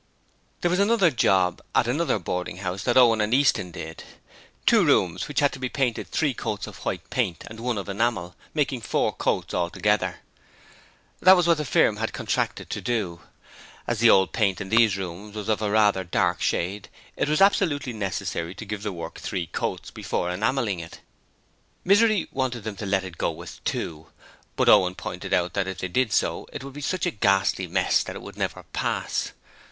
There was another job at another boarding house that Owen and Easton did two rooms which had to be painted three coats of white paint and one of enamel, making four coats altogether. That was what the firm had contracted to do. As the old paint in these rooms was of a rather dark shade it was absolutely necessary to give the work three coats before enamelling it. Misery wanted them to let it go with two, but Owen pointed out that if they did so it would be such a ghastly mess that it would never pass.